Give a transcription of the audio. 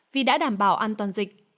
vì đã đảm bảo an toàn dịch